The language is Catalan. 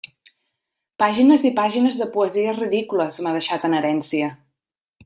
Pàgines i pàgines de poesies ridícules m'ha deixat en herència!